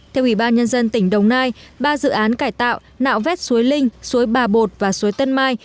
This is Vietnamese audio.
theo ủy ban nhân dân tỉnh đồng nai ba dự án cải tạo nạo vét suối linh suối bà bột và suối tân mai